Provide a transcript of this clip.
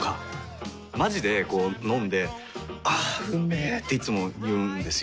まじでこう飲んで「あーうんめ」っていつも言うんですよ。